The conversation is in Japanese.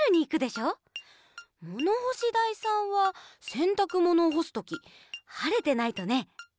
ものほしだいさんはせんたくものをほすときはれてないとね。